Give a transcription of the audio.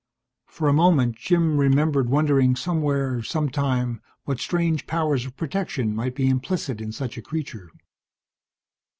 For a moment Jim remembered wondering somewhere, sometime, what strange powers of protection might be implicit in such a creature.